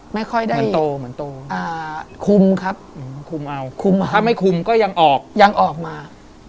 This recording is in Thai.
ไม่ค่อยได้คุมครับคุมอ้าวคุมอ้าวถ้าไม่คุมก็ยังออกยังออกมา